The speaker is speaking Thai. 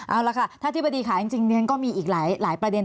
เอาละค่ะท่านอธิบดีค่ะจริงฉันก็มีอีกหลายประเด็น